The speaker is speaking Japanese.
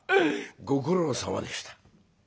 「ご苦労さまでした」。